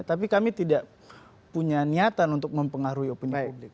tapi kami tidak punya niatan untuk mempengaruhi opini publik